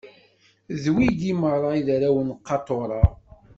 D wigi meṛṛa i d arraw n Qatura.